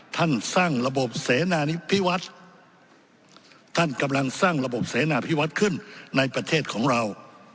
ท่านสร้างระบบเสนานิพิวัฒน์ท่านกำลังสร้างระบบเสนาพิวัฒน์ขึ้นในประเทศของเรา